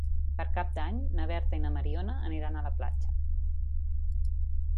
Per Cap d'Any na Berta i na Mariona aniran a la platja.